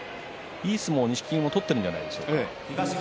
いい相撲を錦木取っているんじゃないですか。